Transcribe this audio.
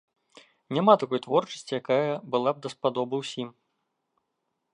Няма такой творчасці, якая была б даспадобы ўсім.